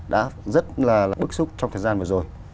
đã rất là bức xúc trong thời gian vừa rồi